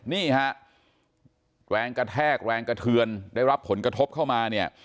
นี่ฮะแรงกระแทกแรงกระเทือนได้รับผลกระทบเข้ามาเนี่ย